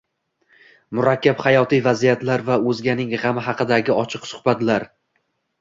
Murakkab hayotiy vaziyatlar va o‘zganing g‘ami haqidagi ochiq suhbatlar